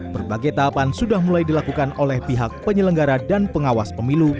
berbagai tahapan sudah mulai dilakukan oleh pihak penyelenggara dan pengawas pemilu